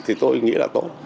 thì tôi nghĩ là tốt